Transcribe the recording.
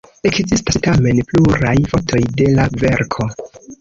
Ekzistas tamen pluraj fotoj de la verko.